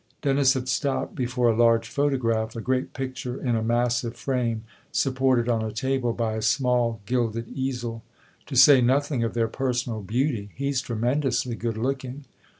Dennis had stopped before a large photograph, a great picture in a massive frame, supported, on a table, by a small gilded easel. " To say nothing of their personal beauty ! He's tremendously good looking."